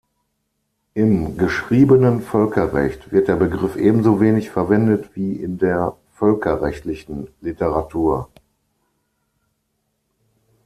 Im geschriebenen Völkerrecht wird der Begriff ebenso wenig verwendet wie in der völkerrechtlichen Literatur.